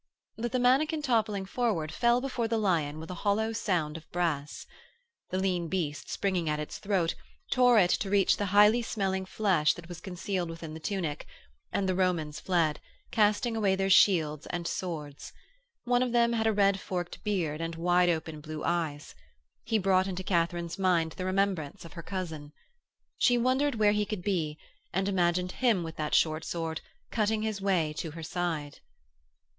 But the mannikin toppling forward fell before the lion with a hollow sound of brass. The lean beast, springing at its throat, tore it to reach the highly smelling flesh that was concealed within the tunic, and the Romans fled, casting away their shields and swords. One of them had a red forked beard and wide open blue eyes. He brought into Katharine's mind the remembrance of her cousin. She wondered where he could be, and imagined him with that short sword, cutting his way to her side.